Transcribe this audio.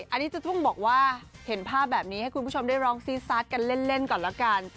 อันนี้จะรู้สึกว่าเห็นภาพแบบนี้ให้คุณผู้ชมด้วยรองซีซัสกันเล่นก่อนละกัน